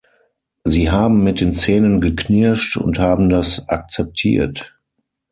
Sie haben mit den Zähnen geknirscht und haben das akzeptiert.